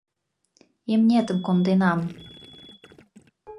Имнетым конденам...